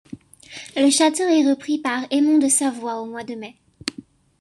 Le château est repris par Aymon de Savoie au mois de mai.